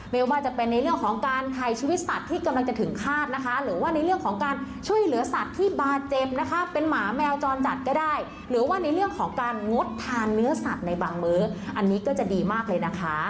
ไม่ว่าจะเป็นในเรื่องของการถ่ายชีวิตสัตว์ที่กำลังจะถึงคาดนะคะหรือว่าในเรื่องของการช่วยเหลือสัตว์ที่บาดเจ็บนะคะเป็นหมาแมวจรจัดก็ได้หรือว่าในเรื่องของการงดทานเนื้อสัตว์ในบางมื้ออันนี้ก็จะดีมากเลยนะคะ